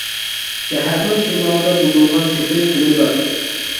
شەھەرنىڭ شىمالىدا بۇزۇلغان سېپىل تېمى بار.